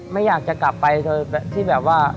ไม่อยากจะกลับไปเธอที่แบบว่า